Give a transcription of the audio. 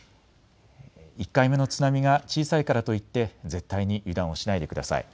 １回目の津波が小さいからといって絶対に油断をしないでください。